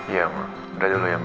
iya ma udah dulu ya ma